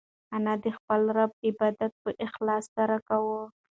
انا د خپل رب عبادت په اخلاص سره کاوه.